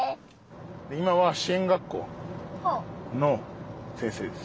今は支援学校の先生です。